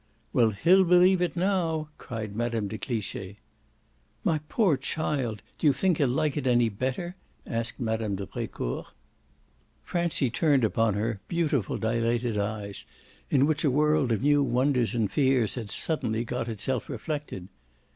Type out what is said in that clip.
"Well, he'll believe it now!" cried Mme. de Cliche. "My poor child, do you think he'll like it any better?" asked Mme. de Brecourt. Francie turned upon her beautiful dilated eyes in which a world of new wonders and fears had suddenly got itself reflected.